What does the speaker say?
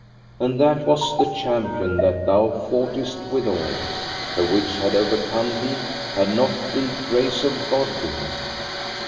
And that was the champion that thou foughtest withal, the which had overcome thee had not the grace of God been.